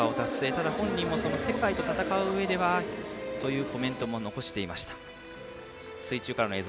ただ、本人も世界と戦ううえではというコメントも残していました。